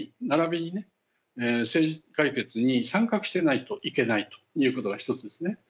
ならびに政治解決に参画してないといけないということが１つですね。